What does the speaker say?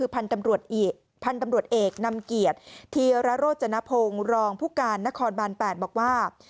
พันธุ์ตำรวจเอกนำเกียรติธีรโรจนพงศ์รองผู้การนครบาน๘บอกว่า